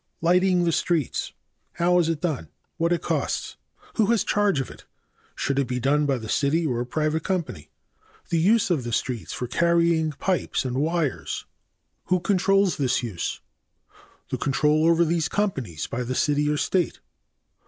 8. Lighting the streets. a. How it is done. b. What it costs. c. Who has charge of it. d. Should it be done by the city or a private company? e. The use of the streets for carrying pipes and wires. f. Who controls this use? g. The control over these companies by the city or state.